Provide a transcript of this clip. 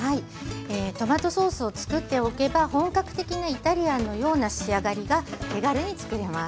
トマトソースをつくっておけば本格的なイタリアンのような仕上がりが手軽につくれます。